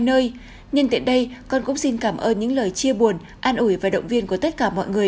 nơi nhân tiện đây con cũng xin cảm ơn những lời chia buồn an ủi và động viên của tất cả mọi người